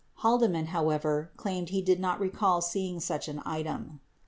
13 Haldeman, however, claimed lie did not recall seeing such an item.